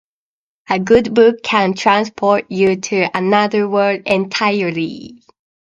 A good book can transport you to another world entirely.